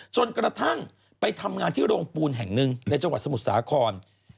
จนกระทั่งไปทำงานที่โรงปูนแห่งหนึ่งในจังหวัดสมุทรสาคร